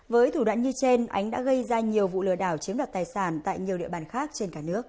với thủ đoạn như trên ánh đã gây ra nhiều vụ lừa đảo chiếm đoạt tài sản tại nhiều địa bàn khác trên cả nước